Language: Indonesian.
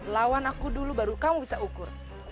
lawan aku dulu baru kamu bisa ukur